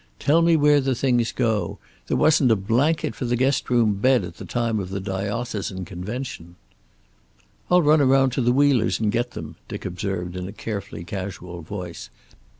"Tell me where the things go. There wasn't a blanket for the guest room bed at the time of the Diocesan Convention." "I'll run around to the Wheelers' and get them," Dick observed, in a carefully casual voice.